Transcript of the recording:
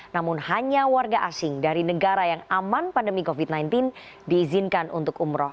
namun hanya warga asing dari negara yang aman pandemi covid sembilan belas diizinkan untuk umroh